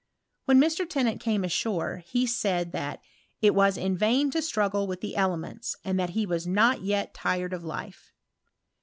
When Mr. Tennant came ashore, he said that " it was in vain to struggle with the elements, and that he was not yet tired of life.''